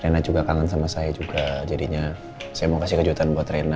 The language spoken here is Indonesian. rena juga kangen sama saya juga jadinya saya mau kasih kejutan buat rena